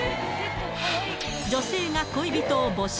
女性が恋人を募集。